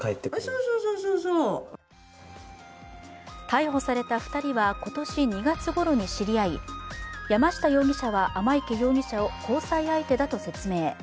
逮捕された２人は、今年２月ごろに知り合い山下容疑者は天池容疑者を交際相手だと説明。